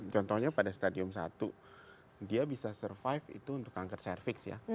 contohnya pada stadium satu dia bisa survive itu untuk kanker cervix ya